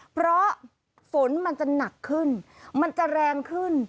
เพราะฝนมันจะหนักขึ้นมันจะแรงขึ้น